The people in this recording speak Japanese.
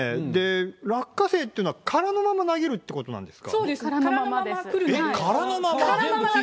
落花生っていうのは、殻のまま投げるということなんですか。